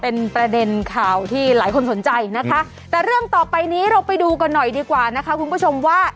เป็นประเด็นข่าวที่หลายคนสนใจนะคะแต่เรื่องต่อไปนี้เราไปดูกันหน่อยดีกว่านะคะคุณผู้ชมว่า